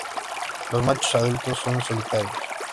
Los machos adultos son solitarios.